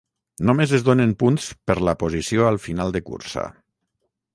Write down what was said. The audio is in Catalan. Només es donen punts per la posició al final de cursa.